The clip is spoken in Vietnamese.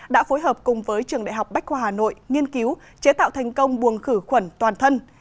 đã phối hợp cùng với trường đại học bách khoa hà nội nghiên cứu chế tạo thành công buồng khử khuẩn toàn thân